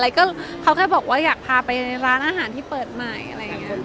เขาแค่บอกว่าอยากพาไปร้านอาหารที่เปิดใหม่อะไรอย่างนี้